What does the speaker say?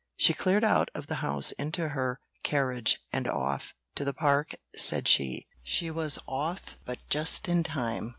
She cleared out of the house into her carriage and off "To the Park," said she. She was off but just in time.